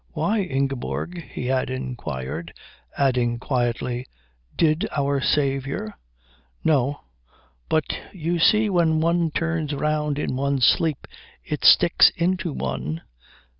"Why, Ingeborg?" he had inquired; adding quietly, "Did our Saviour?" "No; but you see when one turns round in one's sleep it sticks into one."